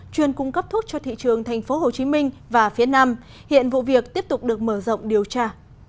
chuyên cung cấp thuốc cho thị trường tp hcm và phía nam hiện vụ việc tiếp tục được mở rộng điều tra